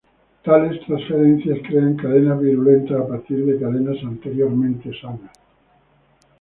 Tales transferencias crean cadenas virulentas a partir de cadenas anteriormente sanas.